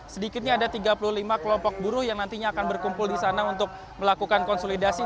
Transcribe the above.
sedikitnya ada tiga puluh lima kelompok buruh yang nantinya akan berkumpul di sana untuk melakukan konsolidasi